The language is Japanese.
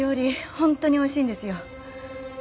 本当においしいんですよ。